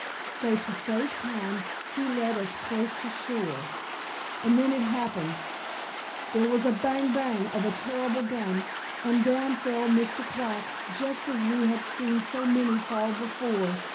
So to save time he led us close to shore. And then it happened. There was a bang, bang of a terrible gun, and down fell Mr. Quack just as we had seen so many fall before.